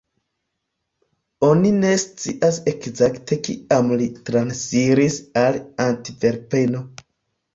Oni ne scias ekzakte kiam li transiris al Antverpeno.